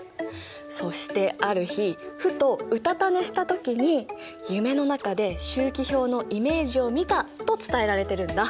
そしてある日ふとうたた寝した時に夢の中で周期表のイメージを見たと伝えられてるんだ。